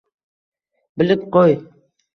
bilib qo’y